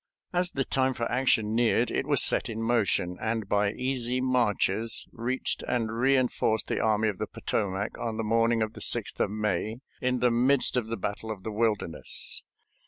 As the time for action neared it was set in motion, and by easy marches reached and re enforced the Army of the Potomac on the morning of the 6th of May, in the midst of the battle of the Wilderness.